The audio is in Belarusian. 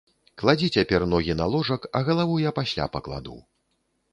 Кладзі цяпер ногі на ложак, а галаву я пасля пакладу.